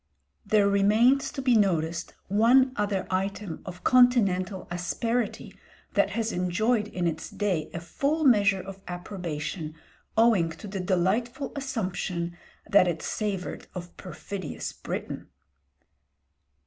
There remains to be noticed one other item of continental asperity that has enjoyed in its day a full measure of approbation owing to the delightful assumption that it savoured of perfidious Britain.